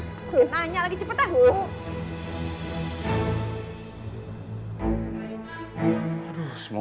tanya lagi cepetan